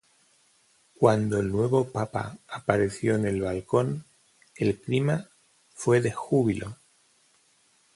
Cuando el nuevo papa apareció en el balcón, el clima fue de júbilo.